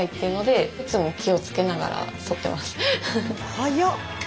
はやっ！